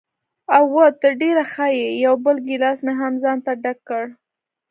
اوه، ته ډېره ښه یې، یو بل ګیلاس مې هم ځانته ډک کړ.